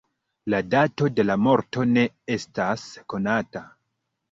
La dato de la morto ne estas konata.